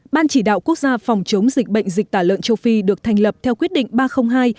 ban chỉ đạo quốc gia phòng chống dịch bệnh dịch tả lợn châu phi được thành lập theo quyết định ba trăm linh hai